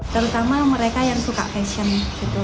terutama mereka yang suka fashion gitu